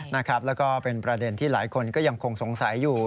แล้วก็เป็นประเด็นที่หลายคนก็ยังคงสงสัยอยู่